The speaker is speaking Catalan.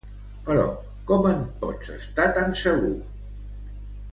Però com en pot estar tan segur?